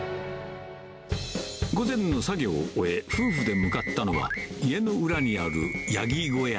午前の作業を終え、夫婦で向かったのは、家の裏にあるヤギ小屋。